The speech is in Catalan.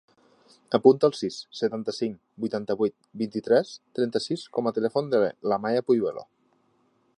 Apunta el sis, setanta-cinc, vuitanta-vuit, vint-i-tres, trenta-sis com a telèfon de l'Amaia Puyuelo.